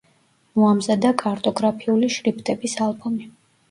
მოამზადა კარტოგრაფიული შრიფტების ალბომი.